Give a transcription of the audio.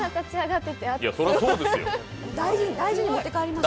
大事に持って帰ります。